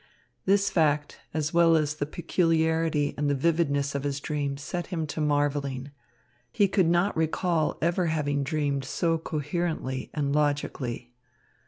This fact as well as the peculiarity and the vividness of his dream set him to marvelling. He could not recall ever having dreamed so coherently and logically.